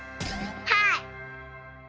はい！